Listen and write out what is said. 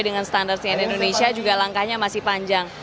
dengan standar cnn indonesia juga langkahnya masih panjang